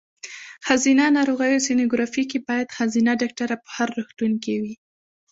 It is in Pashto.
ښځېنه ناروغیو سینوګرافي کې باید ښځېنه ډاکټره په هر روغتون کې وي.